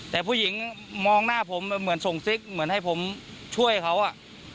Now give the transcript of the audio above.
แต่ผู้หญิงมองหน้าผมเหมือนส่งซิกเหมือนให้ผมช่วยเขาอ่ะ